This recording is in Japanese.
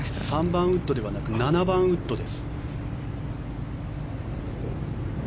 ３番ウッドではなく７番ウッドです。